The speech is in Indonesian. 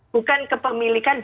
bukan kepemilikan di